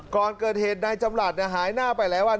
ก่อนเกิดเหตุนายจำหลัดหายหน้าไปหลายวัน